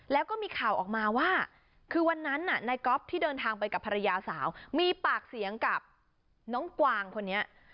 แล้วก็มีข่าวออกมาว่าคือวันนั้นนายก๊อฟที่เดินทางไปกับภรรยาสาวมีปากเสียงกับน้องกวางคนนี้